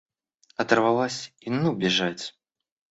Оторвалась и ну бежать!